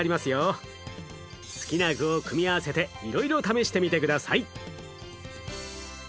好きな具を組み合わせていろいろ試してみて下さい。